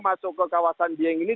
masuk ke kawasan dieng ini